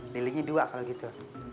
dilingnya dua kalau gitu